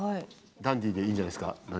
ダンディーでいいんじゃないですか？